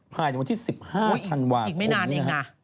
ภายในวันที่๑๕ธนวาคมนี้นะครับคุณนะฮะอุ๊ยอีกไม่นานเองนะ